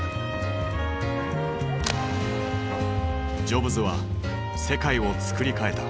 ジョブズは世界をつくり替えた。